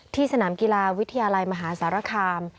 สนามกีฬาวิทยาลัยมหาสารคาม